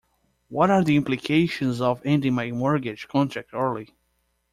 What are the implications of ending my mortgage contract early?